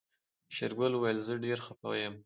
شېرګل وويل زه ډېر خپه يم.